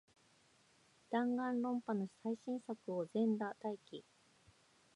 ダンガンロンパの最新作を、全裸待機